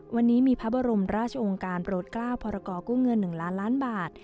วันนี้มีพระบรมราชองค์การโปรดกล้าวพรกู้เงิน๑ล้านล้านบาท